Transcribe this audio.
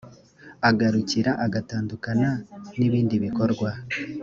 agarukira agatandukana n ibindi bikorwa